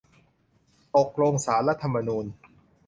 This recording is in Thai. ตกลงศาลรัฐธรรมนูญ